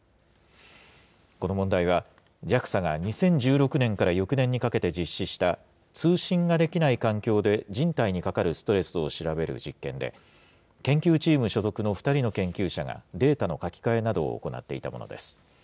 この問題は、ＪＡＸＡが２０１６年から翌年にかけて実施した通信ができない環境で人体にかかるストレスを調べる実験で、研究チーム所属の２人の研究者が、データの書き換えなどを行っていたものです。